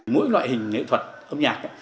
mỗi loại hình nghệ thuật âm nhạc